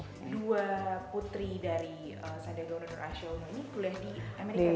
jadi bu dari sadai daunur asya unung ini udah di amerika ya